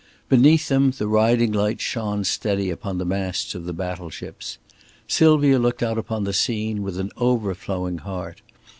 Beneath them the riding lights shone steady upon the masts of the battle ships. Sylvia looked out upon the scene with an overflowing heart.